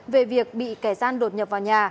về việc bị kẻ gian đột nhập vào nhà